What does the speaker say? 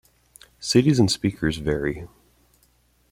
Cities and speakers vary.